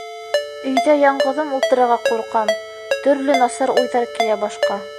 Өйҙә яңғыҙым ултырырға ҡурҡам, төрлө насар уйҙар килә башҡа.